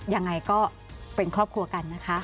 ยังไงก็เป็นครอบครัวกันนะคะ